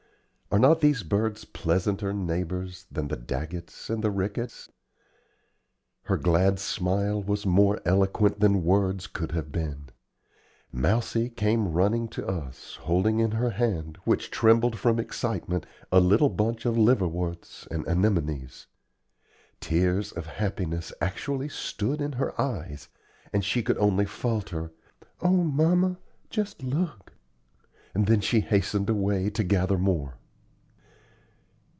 Are not these birds pleasanter neighbors than the Daggetts and the Ricketts?" Her glad smile was more eloquent than words could have been. Mousie came running to us, holding in her hand, which trembled from excitement, a little bunch of liverworts and anemones. Tears of happiness actually stood in her eyes, and she could only falter, "O mamma! just look!" and then she hastened away to gather more.